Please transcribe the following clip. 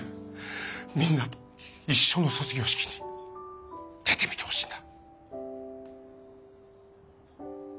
みんなと一緒の卒業式に出てみてほしいんだ。